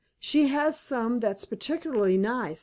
She has some that's particularly nice.